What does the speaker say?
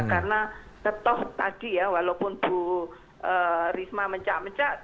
karena setoh tadi ya walaupun bu risma mencak mencak